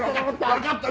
わかった。